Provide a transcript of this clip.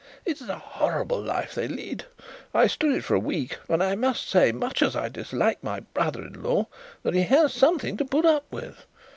It is a horrible life they lead. I stood it for a week and I must say, much as I dislike my brother in law, that he has something to put up with.